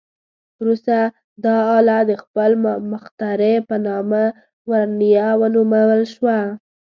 وروسته دا آله د خپل مخترع په نامه "ورنیه" ونومول شوه.